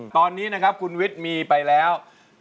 ตอนนี้นะครับคุณวิทย์มีไปแล้ว